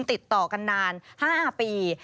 ติดต่อกันนาน๕ปี